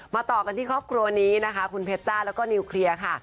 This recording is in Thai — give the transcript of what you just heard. ต่อกันที่ครอบครัวนี้นะคะคุณเพชรจ้าแล้วก็นิวเคลียร์ค่ะ